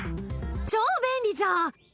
超便利じゃん！